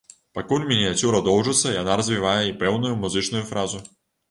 Пакуль мініяцюра доўжыцца, яна развівае і пэўную музычную фразу.